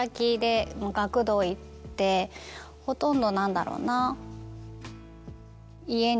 ほとんど何だろうな。